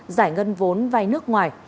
giải ngân vốn vai nước ngoài